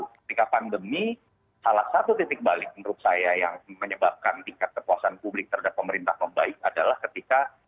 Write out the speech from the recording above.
ketika pandemi salah satu titik balik menurut saya yang menyebabkan tingkat kepuasan publik terhadap pemerintah membaik adalah ketika